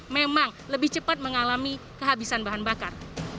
memang lebih cepat mengalami kehabisan bahan bakar